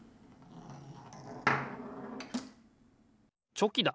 チョキだ！